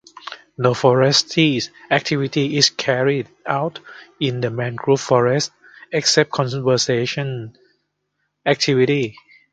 No forestry activities is carried out in the mangrove forest except conservation activities.